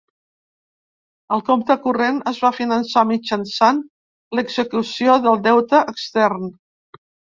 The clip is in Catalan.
El compte corrent es va finançar mitjançant l’execució del deute extern.